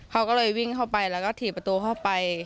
เขาก็เลยวิ่งเข้าไปแล้วก็ถีบประตูเข้าไป